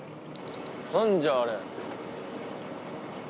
何じゃあれ。